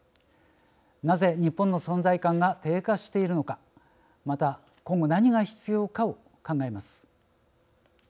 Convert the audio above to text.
なぜ日本の存在感が低下しているのかまた今後何が必要かを考えます。